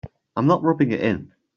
I'm not rubbing it in.